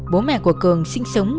bố mẹ của cường sinh sống